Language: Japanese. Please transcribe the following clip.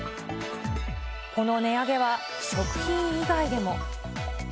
この値上げは食品以外でも。